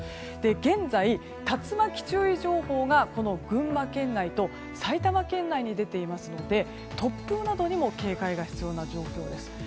現在、竜巻注意情報が群馬県内と埼玉県内に出ていますので突風などにも警戒が必要な状況です。